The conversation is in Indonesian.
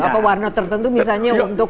apa warna tertentu misalnya untuk